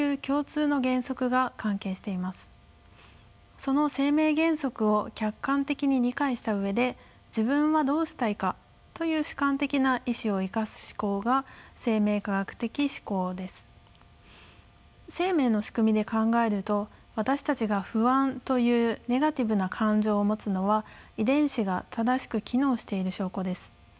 その生命原則を客観的に理解した上で生命の仕組みで考えると私たちが不安というネガティブな感情を持つのは遺伝子が正しく機能している証拠です。